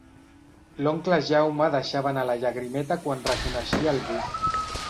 L'oncle Jaume deixava anar la llagrimeta quan reconeixia algú.